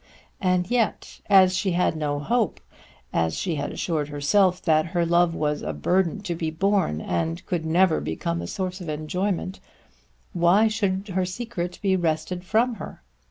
And yet, as she had no hope, as she had assured herself that her love was a burden to be borne and could never become a source of enjoyment, why should her secret be wrested from her?